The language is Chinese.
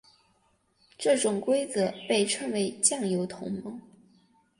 这种规则被称为酱油同盟。